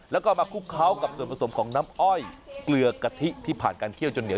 แล้วก็มาคลุกเคล้ากับส่วนผสมของน้ำอ้อยเกลือกะทิที่ผ่านการเคี่ยวจนเหนียว